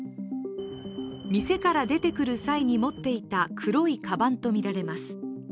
店から出てくる際に持っていた黒いかばんとみられます。